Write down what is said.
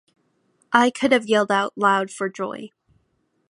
"I could have yelled out loud for joy".